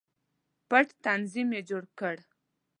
پټ تنظیم یې جوړ کړ.